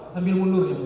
sambil mundur dia mungkin